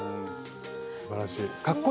すばらしい。